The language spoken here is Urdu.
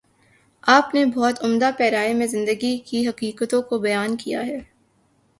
آپ نے بہت عمدہ پیراۓ میں زندگی کی حقیقتوں کو بیان کیا ہے۔